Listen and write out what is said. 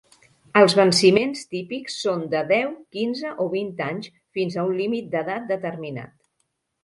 Els venciments típics són de deu, quinze o vint anys fins a un límit d'edat determinat.